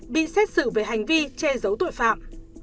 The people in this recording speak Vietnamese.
bị xét xử về hành vi chê giác